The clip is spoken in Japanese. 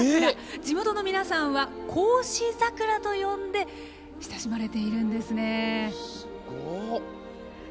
地元の皆さんは孝子桜と呼んで親しまれているんですね。